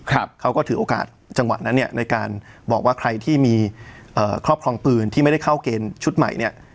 เขาก็ถือโอกาสจังหวะนั้นเนี่ยในการบอกว่าใครที่มีเอ่อครอบครองปืนที่ไม่ได้เข้าเกณฑ์ชุดใหม่เนี่ย